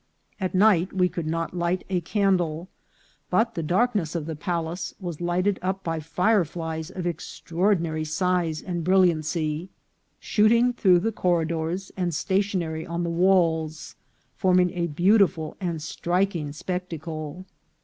At night we could not light a candle, but the darkness of the palace was lighted up by fire flies of extraordinary size and brilliancy, shooting through the corridors and stationary on the walls, forming a beautiful and striking spectacle.